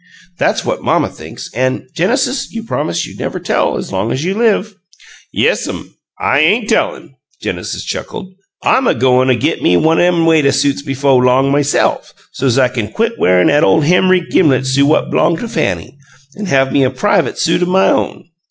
That's what mamma thinks an', Genesis, you promised you'd never tell as long as you live!" "Yes'm. I ain' tellin'," Genesis chuckled. "I'm a go'n' agit me one nem waituh suits befo' long, myse'f, so's I kin quit wearin' 'at ole Henry Gimlet suit what b'long to Fanny, an' have me a privut suit o' my own.